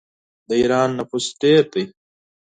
د ایران نفوس ډیر دی.